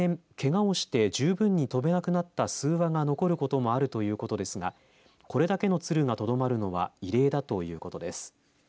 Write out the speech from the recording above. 例年けがをして十分に飛べなくなった数羽が残ることもあるということですがこれだけの鶴がとどまるのは異例だということです。